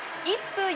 １分